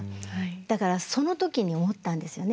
だからその時に思ったんですよね。